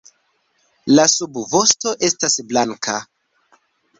La subvosto estas blanka.